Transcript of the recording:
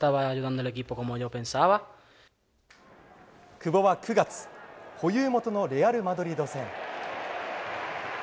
久保は９月保有元のレアル・マドリード戦。